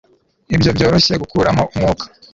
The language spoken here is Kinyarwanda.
Ibyo byoroshye gukuramo umwuka